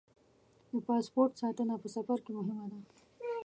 د پاسپورټ ساتنه په سفر کې مهمه ده.